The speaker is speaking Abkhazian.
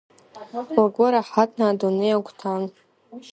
Лгәы раҳаҭны, адунеи агәҭан…